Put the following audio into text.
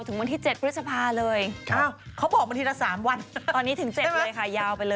เชียวกันมา